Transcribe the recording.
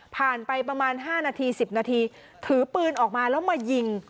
ผ่านไปประมาณ๕นาที๑๐นาทีถือปืนออกมาแล้วมายิง